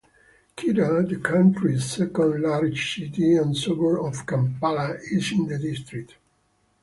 Kira, the country's second largest city and suburb of Kampala, is in the district.